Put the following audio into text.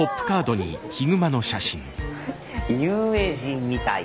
有名人みたい。